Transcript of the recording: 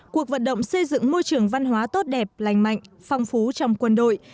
cuộc vận động xây dựng môi trường văn hóa tốt đẹp lành mạnh phong phú trong quân đội